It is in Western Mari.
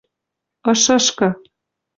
ышышкы: